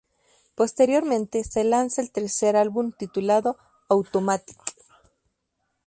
Posteriormente, se lanza su tercer álbum, titulado "Automatic".